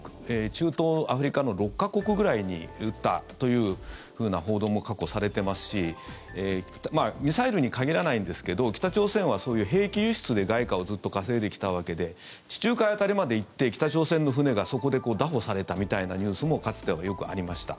中東、アフリカの６か国ぐらいに売ったというふうな報道も過去、されてますしミサイルに限らないんですけど北朝鮮はそういう兵器輸出で外貨をずっと稼いできたわけで地中海辺りまで行って北朝鮮の船がそこでだ捕されたみたいなニュースもかつてはよくありました。